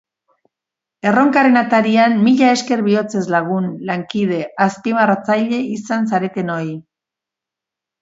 Erronkaren atarian mila esker bihotzez lagun, lankide, azpimarratzaile izan zaretenoi.